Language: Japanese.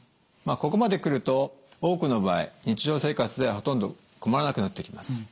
まあここまで来ると多くの場合日常生活ではほとんど困らなくなってきます。